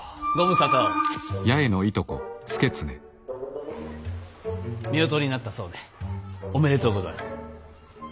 夫婦になったそうでおめでとうござる。